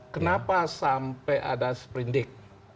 kenapa sampai ada seprindik